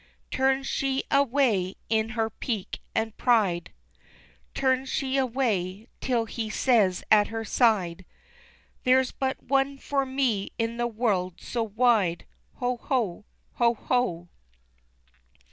Turns she away in her pique and pride, Turns she away, till he says at her side, "There's but one for me in the world so wide!" Ho! Ho! Ho! Ho!